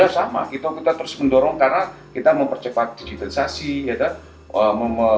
kerjasama kita terus mendorong karena kita mempercepat digitalisasi ya kan